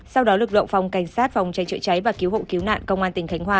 sau đó lực lượng phòng cảnh sát phòng cháy chữa cháy và cứu hộ cứu nạn công an tỉnh khánh hòa